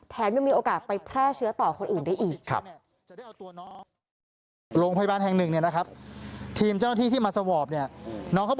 ยังมีโอกาสไปแพร่เชื้อต่อคนอื่นได้อีก